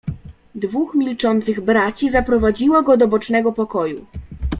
"Dwóch milczących braci zaprowadziło go do bocznego pokoju."